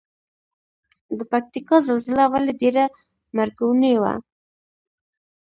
د پکتیکا زلزله ولې ډیره مرګونې وه؟